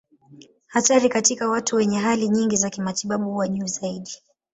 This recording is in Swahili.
Hatari katika watu wenye hali nyingi za kimatibabu huwa juu zaidi.